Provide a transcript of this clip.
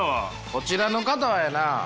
こちらの方はやな